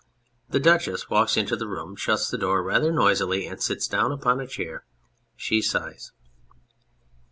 (The DUCHESS walks into the room, shuts the door rather noisily, and sits down upon a chair. She sighs.)